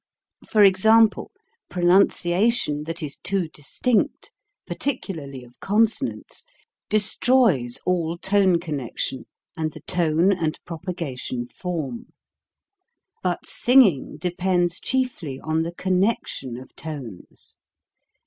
For example: Pronunciation that is too distinct, partic ularly of consonants, destroys all tone &^t*&c, connection and the tone and propa gation form. But singing de pends chiefly on the connection of tones.